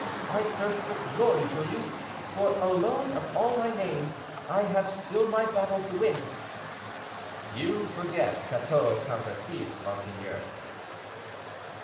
I thirst for glory, Joyeuse; for alone of all my name, I have still my battles to win." "You forget Cateau Cambresis, monseigneur."